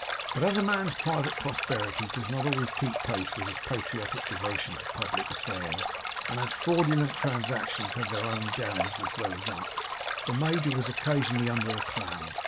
But as a man's private prosperity does not always keep pace with his patriotic devotion to public affairs; and as fraudulent transactions have their downs as well as ups, the major was occasionally under a cloud.